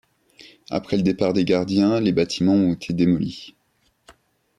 Après le départ des gardiens, les bâtiments ont été démolis.